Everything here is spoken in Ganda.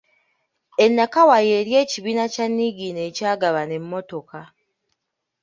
E Nakawa y’eri ekibiina kya Niigiina ekyagabanga emmotoka.